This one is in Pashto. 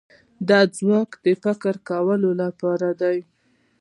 دغه ځواک د فکر کولو لپاره دی.